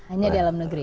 hanya di alam negeri